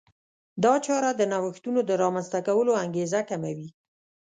دا چاره د نوښتونو د رامنځته کولو انګېزه کموي.